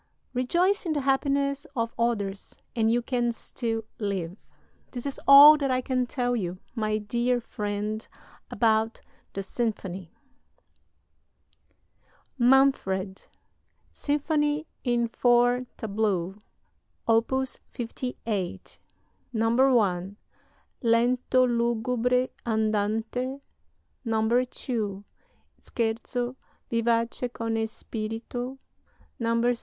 Rejoice in the happiness of others and you can still live. "This is all that I can tell you, my dear friend, about the symphony...." "MANFRED," SYMPHONY IN FOUR TABLEAUX: Op. 58 1. Lento lugubre; andante 2. Scherzo: Vivace con spirito 3.